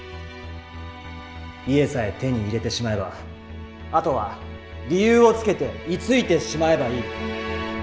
家さえ手に入れてしまえばあとは理由をつけて居ついてしまえばいい。